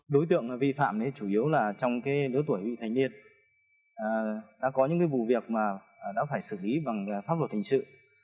đối tượng vi phạm chủ yếu là trong đứa tuổi vị thành niên đã có những vụ việc mà đã phải xử lý bằng pháp luật thành sự